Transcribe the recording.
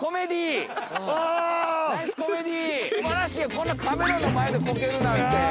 こんなカメラの前でこけるなんて。